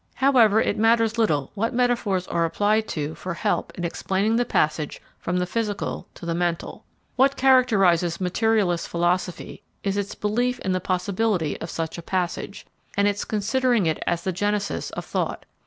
However, it matters little what metaphors are applied to for help in explaining the passage from the physical to the mental. What characterises materialist philosophy is its belief in the possibility of such a passage, and its considering it as the genesis of thought.